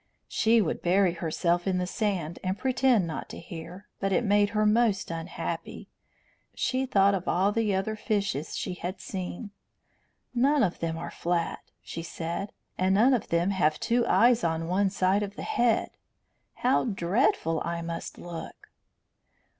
She would bury herself in the sand and pretend not to hear, but it made her most unhappy. She thought of all the other fishes she had seen. "None of them are flat," she said, "and none of them have two eyes on one side of the head. How dreadful I must look!"